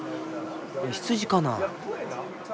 羊かな。